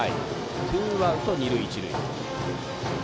ツーアウト、二塁一塁。